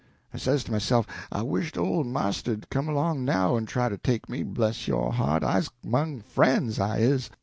I says to myself, I wished old marster'd come along now en try to take me bless yo' heart, I's 'mong frien's, I is.